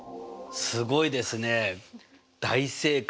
すごいですね大正解。